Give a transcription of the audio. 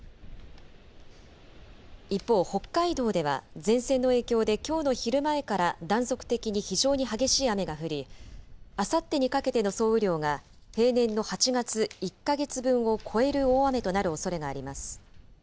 一方、北海道では、前線の影響できょうの昼前から断続的に非常に激しい雨が降り、あさってにかけての総雨量が平年の８月１か月分を超える大雨となるおそれがあります。